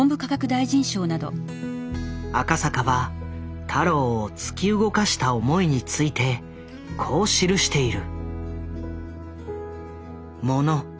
赤坂は太郎を突き動かした思いについてこう記している。